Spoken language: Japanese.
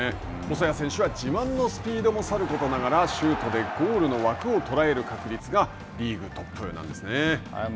細谷選手も自慢のスピードもさることながらシュートでゴールの枠を捉える確率がリーグトップなんですね。